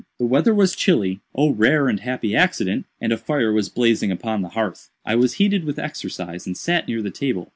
The weather was chilly (oh rare and happy accident!), and a fire was blazing upon the hearth. I was heated with exercise and sat near the table.